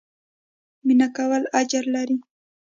مينه کول اجر لري